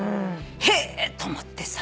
へっと思ってさ。